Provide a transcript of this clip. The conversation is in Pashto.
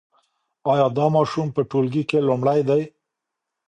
ایا دا ماشوم په ټولګي کې لومړی دی؟